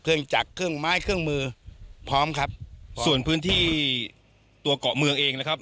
เครื่องจักรเครื่องไม้เครื่องมือพร้อมครับส่วนพื้นที่ตัวเกาะเมืองเองนะครับ